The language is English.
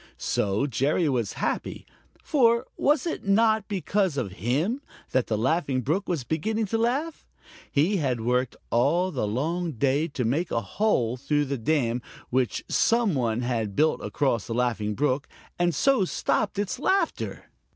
So Jerry was happy, for was it not because of him that the Laughing Brook was beginning to laugh? He had worked all the long day to make a hole through the dam which some one had built across the Laughing Brook and so stopped its laughter.